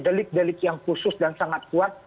delik delik yang khusus dan sangat kuat